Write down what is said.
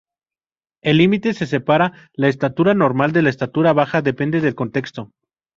El límite que separa la estatura normal de la estatura baja depende del contexto.